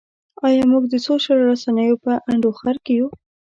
ایا موږ د سوشل رسنیو په انډوخر کې.